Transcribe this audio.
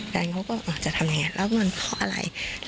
แฟนเขาก็จะทำยังไงแล้วมันเพราะอะไร